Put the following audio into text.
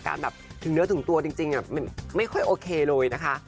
แบบถึงเนื้อถึงตัวจริงไม่ค่อยโอเคเลยนะคะ